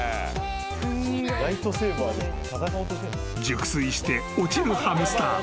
［熟睡して落ちるハムスター］